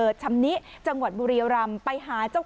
สองสามีภรรยาคู่นี้มีอาชีพ